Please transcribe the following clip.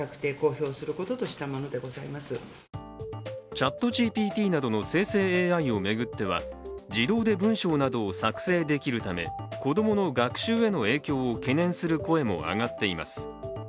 ＣｈａｔＧＰＴなどの生成ＡＩを巡っては自動で文章などを作成できるため子供の学習への影響を懸念する声も上がっています。